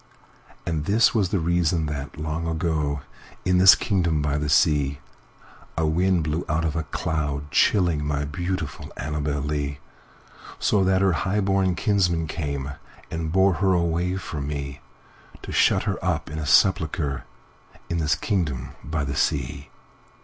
And this was the reason that, long ago, In this kingdom by the sea,A wind blew out of a cloud, chillingMy beautiful Annabel Lee; So that her highborn kinsmen cameAnd bore her away from me, To shut her up in a sepulchreIn this kingdom by the sea.